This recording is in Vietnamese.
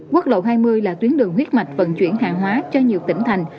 quốc lộ hai mươi là tuyến đường huyết mạch vận chuyển hàng hóa cho nhiều tỉnh thành